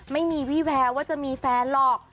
ไม่มีวี่แววว่าจะมีแฟนหรอก